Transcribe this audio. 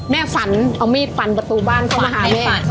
ฝันเอามีดฟันประตูบ้านเข้ามาหาแม่